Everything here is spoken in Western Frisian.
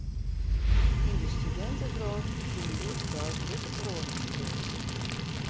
Yn de studintewrâld fine hjoed-de-dei grutte feroarings pleats.